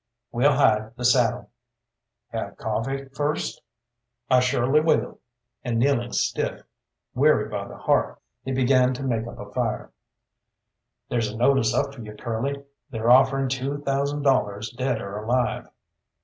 We'll hide the saddle." "Have coffee first?" "I surely will," and kneeling stiff, weary by the hearth, he began to make up a fire. "There's a notice up for you, Curly. They're offering two thousand dollars dead or alive."